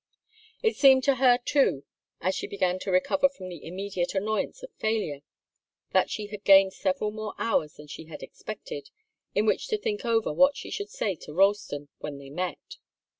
It seemed to her, too, as she began to recover from the immediate annoyance of failure, that she had gained several hours more than she had expected, in which to think over what she should say to Ralston when they met.